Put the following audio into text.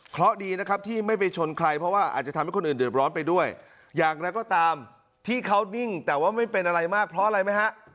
เพราะดีนะครับที่ไม่ไปชนใครเพราะว่าอาจจะทำให้คนอื่นเดือดร้อนไปด้วยอย่างไรก็ตามที่เขานิ่งแต่ว่าไม่เป็นอะไรมากเพราะอะไรไหมฮะ